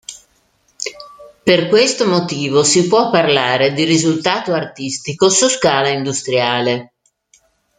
Per questo motivo si può parlare di risultato artistico su scala industriale.